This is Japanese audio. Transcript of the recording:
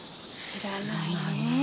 知らないね。